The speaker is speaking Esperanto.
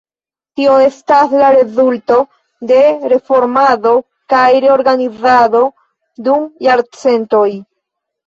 Tio estas la rezulto de reformado kaj reorganizado dum jarcentoj.